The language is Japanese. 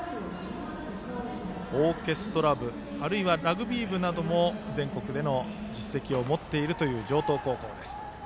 オーケストラ部あるいはラグビー部なども全国での実績を持っているという城東高校です。